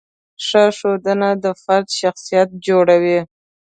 ښه ښوونه د فرد شخصیت جوړوي.